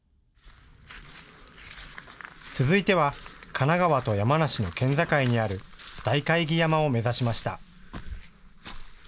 続いては神奈川と山梨の県境にある大界木山を目指しました。